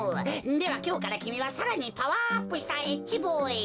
ではきょうからきみはさらにパワーアップしたＨボーイ